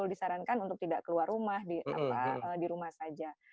disarankan untuk tidak keluar rumah di rumah saja